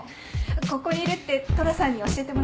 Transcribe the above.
ここにいるって虎さんに教えてもらって。